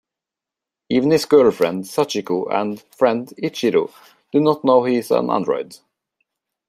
Even his girlfriend Sachiko and friend Ichiro do not know he is an android.